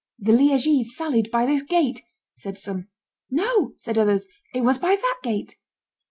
"The Liegese sallied by this gate," said some; "No," said others, "it was by that gate!"